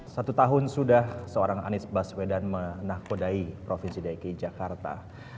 satu tahun sudah seorang anies baswedan menakodai provinsi dki jakarta